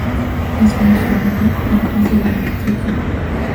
Es muy soluble en ácido nítrico.